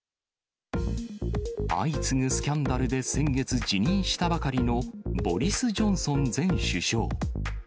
相次ぐスキャンダルで先月、辞任したばかりのボリス・ジョンソン前首相。